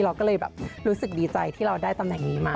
เราก็เลยแบบรู้สึกดีใจที่เราได้ตำแหน่งนี้มา